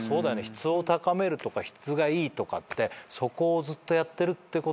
質を高めるとか質がいいとかってそこをずっとやってるってことなんだ。